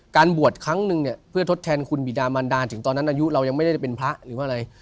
บวชครั้งนึงเนี่ยเพื่อทดแทนคุณบิดามันดาถึงตอนนั้นอายุเรายังไม่ได้เป็นพระหรือว่าอะไร